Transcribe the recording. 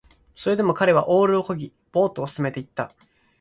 それでも彼はオールを漕ぎ、ボートを進めていった